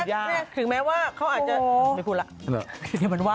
น้องย่าถึงแม่ว่าเขาอาจจะไม่คุณละ